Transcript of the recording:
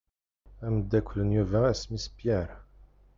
Amdakel n Yuba isem-is Pierre.